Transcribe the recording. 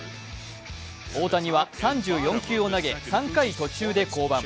大谷は３４球を投げ、３回途中で降板。